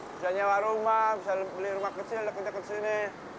bisa nyewa rumah bisa beli rumah kecil deket deket sini